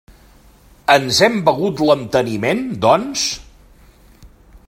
Ens hem begut l'enteniment, doncs?